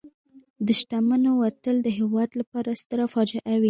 د شتمنو وتل د هېواد لپاره ستره فاجعه وي.